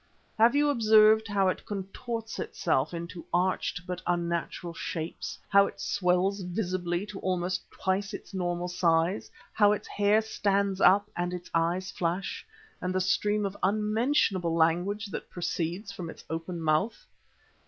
Have you observed how it contorts itself into arched but unnatural shapes, how it swells visibly to almost twice its normal size, how its hair stands up and its eyes flash, and the stream of unmentionable language that proceeds from its open mouth?